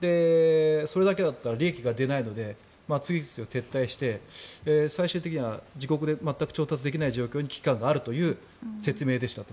それだけだったら利益が出ないので次々と撤退して最終的には自国で全く調達できない状態に危機感があるという説明でしたと。